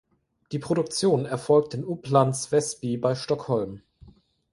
Die Produktion erfolgt in Upplands Väsby bei Stockholm.